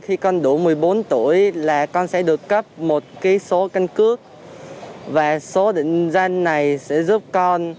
khi con đủ một mươi bốn tuổi là con sẽ được cấp một số căn cước và số định danh này sẽ giúp con